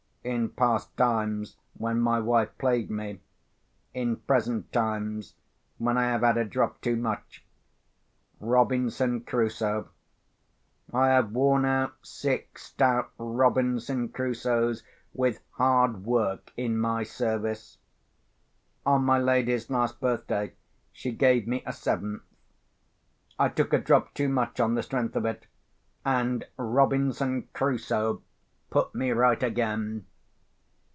In past times when my wife plagued me; in present times when I have had a drop too much—Robinson Crusoe. I have worn out six stout Robinson Crusoes with hard work in my service. On my lady's last birthday she gave me a seventh. I took a drop too much on the strength of it; and Robinson Crusoe put me right again.